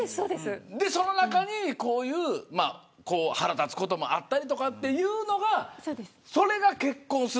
その中にこういう腹立つこともあったりというのがそれが結婚する。